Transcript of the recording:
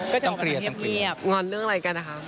ก็อย่างเกลียบแล้วก็เกลียบงอนเรื่องอะไรกันนะคะ